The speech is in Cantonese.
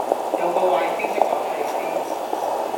有個壞消息講你知